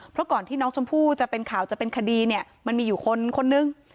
เพราะก่อนที่น้องชมพู่จะเป็นข่าวจะเป็นคดีเนี่ยมันมีอยู่คนคนนึง